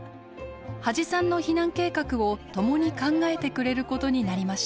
土師さんの避難計画を共に考えてくれることになりました。